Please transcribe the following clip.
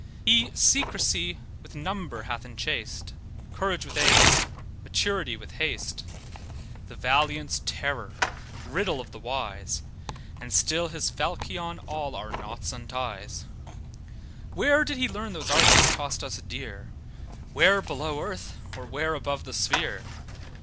He secrecy with number hath enchased, Courage with age, maturity with haste: The valiant's terror, riddle of the wise, And still his falchion all our knots unties. Where did he learn those arts that cost us dear? Where below earth, or where above the sphere?